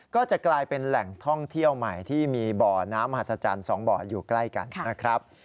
ก็จะกลายเป็นแหล่งท่องเที่ยวใหม่ที่มีบ่อน้ำมหัศจรรย์๒บ่ออยู่ใกล้กันนะครับ